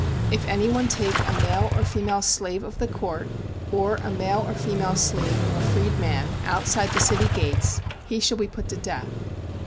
If any one take a male or female slave of the court, or a male or female slave of a freed man, outside the city gates, he shall be put to death.